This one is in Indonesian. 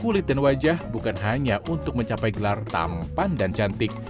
kulit dan wajah bukan hanya untuk mencapai gelar tampan dan cantik